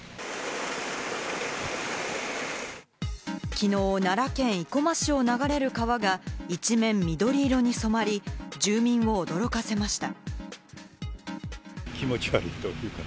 きのう、奈良県生駒市を流れる川が一面緑色に染まり、住民を驚かせました。